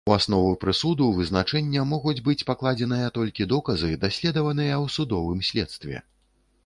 У аснову прысуду, вызначэння могуць быць пакладзеныя толькі доказы даследаваныя ў судовым следстве.